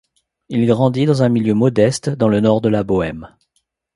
Il grandit dans un milieu modeste dans le nord de la Bohême.